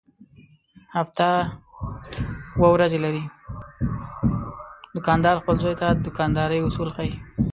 دوکاندار خپل زوی ته د دوکاندارۍ اصول ښيي.